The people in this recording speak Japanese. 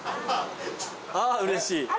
あーうれしい。